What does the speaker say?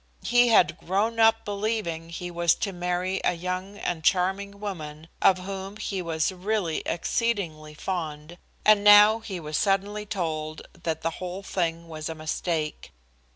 He had grown up believing he was to marry a young and charming woman of whom he was really exceedingly fond, and now he was suddenly told that the whole thing was a mistake.